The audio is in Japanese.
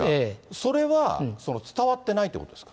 それは伝わってないということですか。